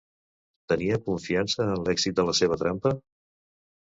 Tenia confiança en l'èxit de la seva trampa?